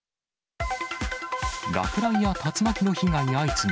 落雷や竜巻の被害相次ぐ。